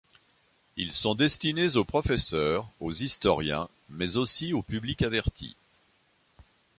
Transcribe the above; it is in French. Ils sont destinés aux professeurs, aux historiens mais aussi au public averti.